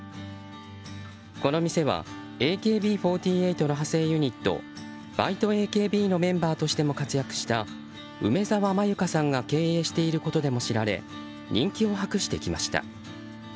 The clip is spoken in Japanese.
この店はＡＫＢ４８の派生ユニットバイトＡＫＢのメンバーとしても活躍した梅澤愛優香さんが経営していることでも知られ人気を博してきました。